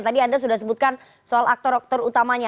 tadi anda sudah sebutkan soal aktor aktor utamanya